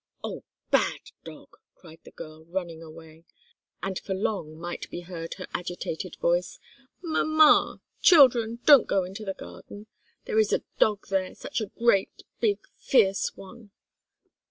"Oh! bad dog!" cried the girl, running away, and for long might be heard her agitated voice: "Mamma! children! don't go into the garden. There is a dog there, such a great, big, fierce one!"